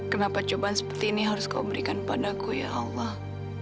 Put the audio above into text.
kenapa cobaan seperti ini harus kau berikan padaku ya allah